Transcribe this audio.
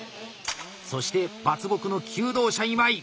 そして伐木の求道者・今井。